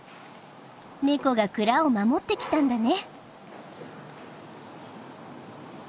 ネコが蔵を守ってきたんだね。